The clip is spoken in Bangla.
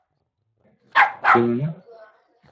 তুমি এই মাটিতে একটা রত্ন জন্ম দিয়েছ, ইয়াশোদা!